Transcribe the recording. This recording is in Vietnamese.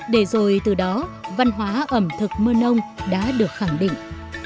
để rồi từ đó văn hóa ẩm thực mơ nông đã được khẳng định